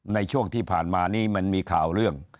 ในช่วงที่ผ่านมานี้มันมีข่าวเรื่อง